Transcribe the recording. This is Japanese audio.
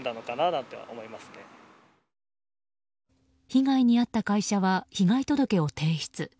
被害に遭った会社は被害届を提出。